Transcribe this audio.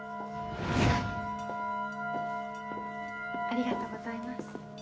ありがとうございます。